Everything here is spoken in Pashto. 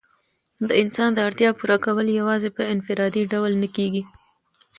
د انسان د اړتیا پوره کول یوازي په انفرادي ډول نه کيږي.